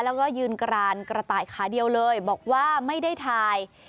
แล้วก็ยืนกรานกระต่ายขาเดียวเลยบอกว่าไม่ได้ถ่าย